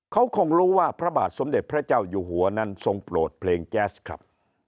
เขาคงรู้ว่าพระบาทสมเด็จพระเจ้าอยู่หัวนั้นทรงโปรดเพลงแจ๊สครับ